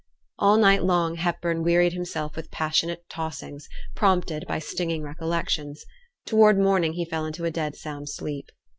All night long Hepburn wearied himself with passionate tossings, prompted by stinging recollection. Towards morning he fell into a dead sound sleep.